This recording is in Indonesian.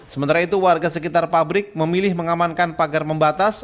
sementara itu warga sekitar pabrik memilih mengamankan pagar membatas